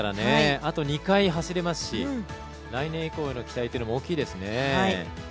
あと２回、走れますし来年以降への期待も大きいですね。